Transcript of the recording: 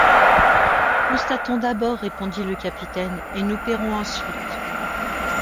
Constatons d’abord, répondit le capitaine, et nous paierons ensuite.